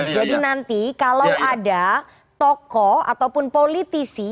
jadi nanti kalau ada toko ataupun politisi